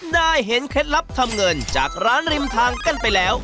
ได้เห็นเคล็ดลับทำเงินจากร้านริมทางกันไปแล้ว